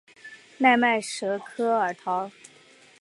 奈迈什科尔陶。